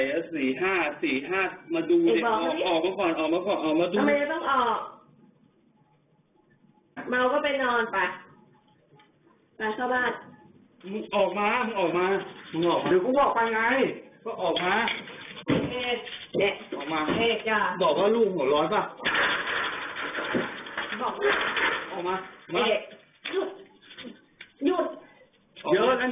ไปให้ให้ไม่เราออกมาไปมากเลยมาเตือนเดี๋ยวเตือนยื่น